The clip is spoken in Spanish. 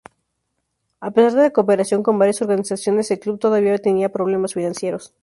A pesar de la cooperación con varias organizaciones, el club todavía tenía problemas financieros.